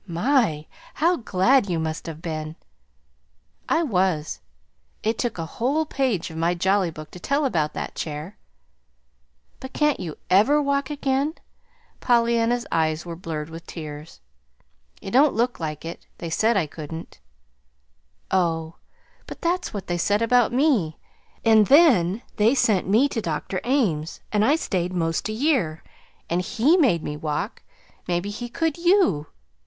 "My! how glad you must have been!" "I was. It took a whole page of my Jolly Book to tell about that chair." "But can't you EVER walk again?" Pollyanna's eyes were blurred with tears. "It don't look like it. They said I couldn't." "Oh, but that's what they said about me, and then they sent me to Dr. Ames, and I stayed 'most a year; and HE made me walk. Maybe he could YOU!"